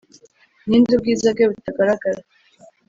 ninde ubwiza bwe butagaragara